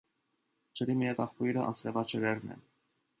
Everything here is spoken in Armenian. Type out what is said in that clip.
Ջրի միակ աղբյուրը անձրևաջրերն են։